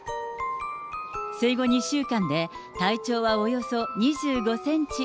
生後２週間で体長はおよそ２５センチ。